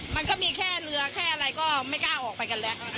มันก็มีแค่เรือแค่อะไรก็ไม่กล้าออกไปกันแล้ว